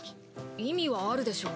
意味はあるでしょう。